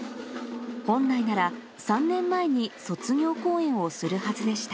本来なら３年前に卒業公演をするはずでした。